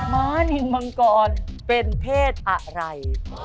ม้านิงมังกรเป็นเพศอะไร